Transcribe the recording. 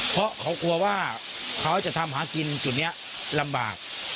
เพราะเขากลัวว่าเขาจะทำหากินจุดนี้ลำบาก